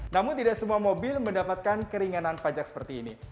namun tidak semua mobil mendapatkan keringanan pajak seperti ini